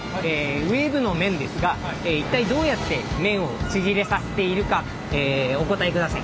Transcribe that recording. ウェーブの麺ですが一体どうやって麺を縮れさせているかお答えください。